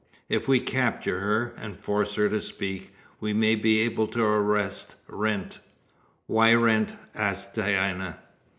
If we capture her, and force her to speak, we may be able to arrest Wrent." "Why Wrent?" asked Diana.